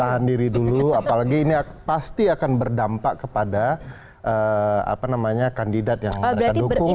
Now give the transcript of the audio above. tahan diri dulu apalagi ini pasti akan berdampak kepada kandidat yang mereka dukung